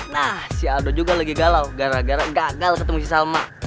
nah si aldo juga lagi galau gara gara gagal ketemu si salma